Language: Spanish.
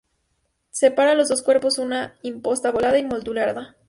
Separa los dos cuerpos una imposta volada y moldurada.